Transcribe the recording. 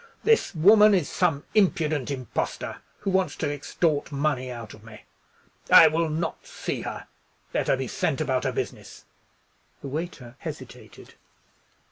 This woman is some impudent impostor, who wants to extort money out of me. I will not see her: let her be sent about her business." The waiter hesitated.